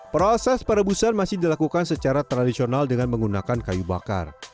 proses perebusan masih dilakukan secara tradisional dengan menggunakan kayu bakar